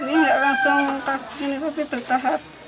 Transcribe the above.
ini nggak langsung kaki tapi bertahap